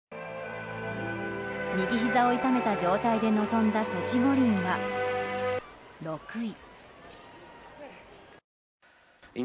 右ひざを痛めた状態で臨んだソチ五輪は６位。